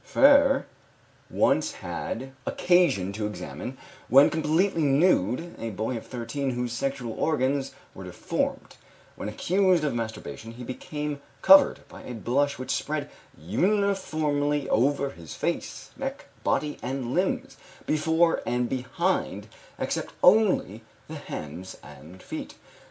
Féré once had occasion to examine, when completely nude, a boy of thirteen whose sexual organs were deformed; when accused of masturbation he became covered by a blush which spread uniformly over his face, neck, body and limbs, before and behind, except only the hands and feet.